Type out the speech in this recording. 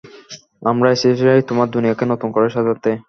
আমরা এসেছি তোমার দুনিয়াকে নতুন করে সাজাতে!